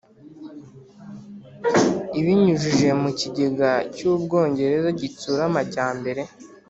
ibinyujije mu kigega cy'ubwongereza gitsura amajyambere